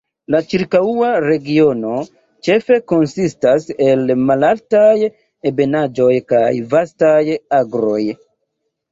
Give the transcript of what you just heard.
La ĉirkaŭa regiono ĉefe konsistas el malaltaj ebenaĵoj kaj vastaj agroj.